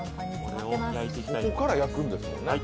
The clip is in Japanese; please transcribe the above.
ここから焼くんですもんね